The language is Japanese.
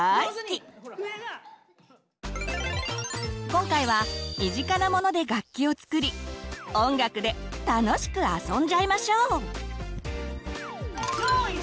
今回は身近なモノで楽器を作り音楽で楽しくあそんじゃいましょう！